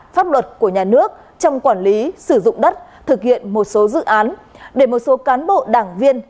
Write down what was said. pháp luật của nhà nước trong quản lý sử dụng đất thực hiện một số dự án để một số cán bộ đảng viên